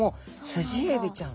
スジエビちゃん。